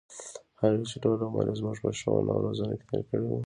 هغـې چـې ټـول عـمر يـې زمـوږ په ښـوونه او روزنـه کـې تېـر کـړى و.